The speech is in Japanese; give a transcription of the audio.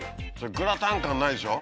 グラタン感ないでしょ？